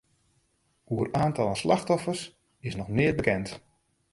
Oer oantallen slachtoffers is noch neat bekend.